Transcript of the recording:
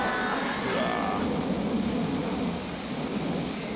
うわ。